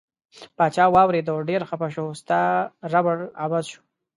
پاچا واوریده ډیر خپه شو ستا ربړ عبث شو.